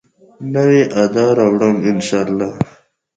نوي ادا راوړمه، ان شاالله